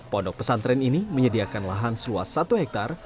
pondok pesantren ini menyediakan lahan seluas satu hektare